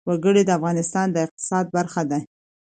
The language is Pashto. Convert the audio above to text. وګړي د افغانستان د اقتصاد برخه ده.